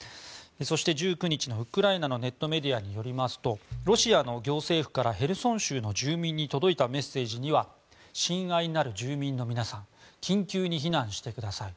そして１９日の、ウクライナのネットメディアによりますとロシアの行政府からヘルソン州の住民に届いたメッセージには親愛なる住民の皆さん緊急に避難してください